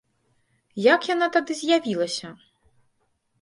Як яна тады з'явілася?